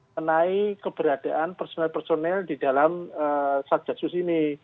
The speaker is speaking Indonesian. menai keberadaan personel personel di dalam satgas sus ini